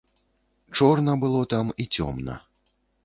Чорна было там і цёмна.